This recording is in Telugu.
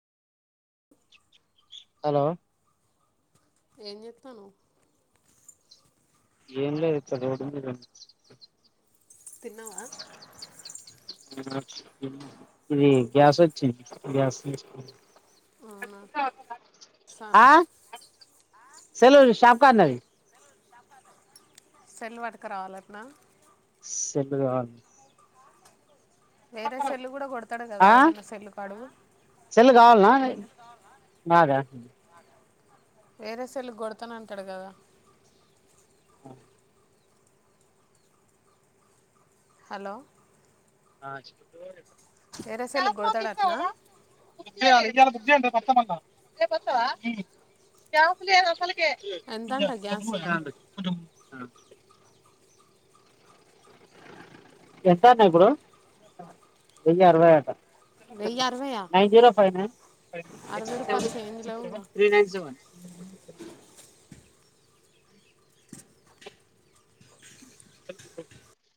హలో ఏం చెతానవ్ ఏం లే ఇక్కడ రోడ్డు మీద ఉన్న తిన్నవా మీ గ్యాస్ వచ్చంది గ్యాస్ తీసుకో ఆ సెల్లు యూడు షాప్ కాన్ వున్నది సెల వటకరావాలట్నా సెల్లు కావాలి వేరే సెల్లు కూడా కొడతాడు కదా ఏదన్నా సెల్లు కడుగు నాద వేరే సెల్లు కొడత నంటడు కదా ఆ హలో ఆ చెప్ [unintelligible] నా గ్యాస్ మొగ్ ఇతరా బుక్ చేయాలి ఇయాల బుక్ చేయండి రేపు అత్త మళ్ల రేపు వత్తవా గ్యాస్ లేదు ఒకలికి కె ఊ ఎంత అన్నా ఇప్పుడు వెయ్యి అరవై ఆట సెల్ నెంబర్ చెప్పనా nine zero five nine eight six seven three nine seven cell కు గోటు